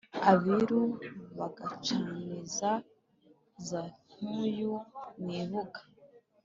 abiru bagacaniza zankuyu mw ibúga